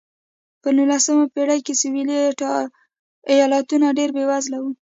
په نولسمې پېړۍ کې سوېلي ایالتونه ډېر بېوزله وو.